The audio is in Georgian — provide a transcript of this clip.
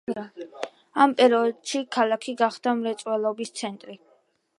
ამ პერიოდში ქალაქი გახდა მრეწველობისა და სოფლის მეურნეობის ცენტრი.